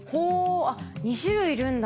あっ２種類いるんだ。